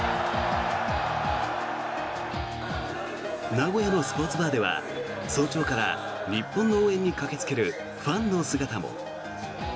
名古屋のスポーツバーでは早朝から日本の応援に駆けつけるファンの姿も。